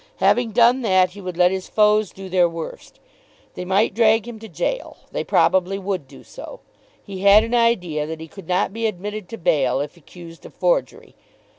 Having done that, he would let his foes do their worst. They might drag him to gaol. They probably would do so. He had an idea that he could not be admitted to bail if accused of forgery.